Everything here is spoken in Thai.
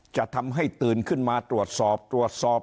จะทำให้ตื่นขึ้นมาตรวจสอบตรวจสอบ